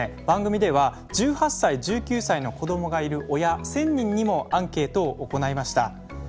番組では１８歳１９歳の子どもがいる親１，０００人にもアンケートを行いました。